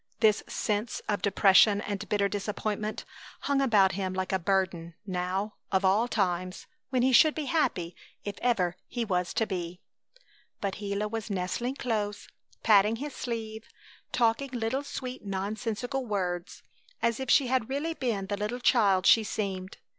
This sense of depression and bitter disappointment hung about him like a burden; now, of all times, when he should be happy if ever he was to be! But Gila was nestling close, patting his sleeve, talking little, sweet nonsensical words as if she had really been the little child she seemed.